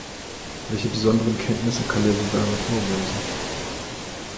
Welche besonderen Kenntnisse kann der Bewerber vorweisen?